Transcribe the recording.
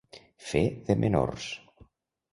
Fer de menors.